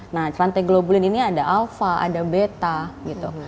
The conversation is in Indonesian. nah rantai globulin ini ada alfa ada beta gitu